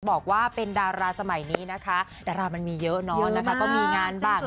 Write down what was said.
บอกว่าเป็นดาราสมัยนี้นะคะดารามันมีเยอะเนาะนะคะ